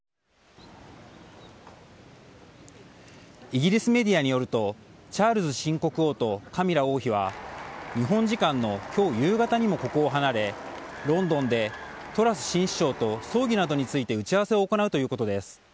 イギリスメディアによるとチャールズ新国王とカミラ王妃は日本時間の今日夕方にもここを離れロンドンでトラス新首相と葬儀などについて打ち合わせを行うということです。